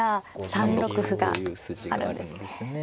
３六歩という筋があるんですね。